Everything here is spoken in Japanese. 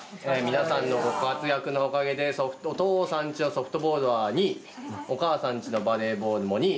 皆さんのご活躍のおかげでお父さんたちのソフトボールは２位お母さんたちのバレーボールも２位。